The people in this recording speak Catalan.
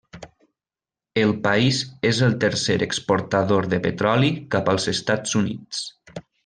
El país és el tercer exportador de petroli cap als Estats Units.